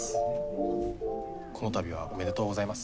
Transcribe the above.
この度はおめでとうございます。